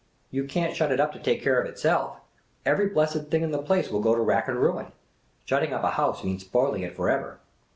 " You can't shut it up to take care of itself. Every blessed thing in the place will go to rack and ruin. Shutting up a house means spoiling it for ever.